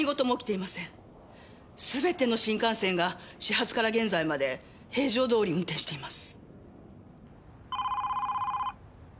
すべての新幹線が始発から現在まで平常どおり運転しています。